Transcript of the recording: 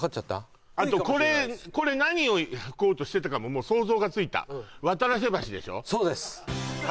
あとこれこれ何を吹こうとしてたかも想像がついたそうです